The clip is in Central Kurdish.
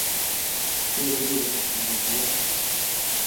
تێدەگەیت ئەمە چەند جددییە؟